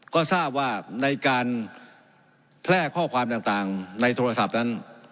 ก็ทราบว่าในการแพร่ข้อความต่างในโทรศัพท์นั้น